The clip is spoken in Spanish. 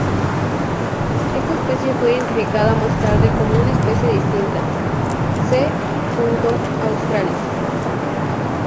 Esta especie fue identificada más tarde como una especie distinta, "C. australis".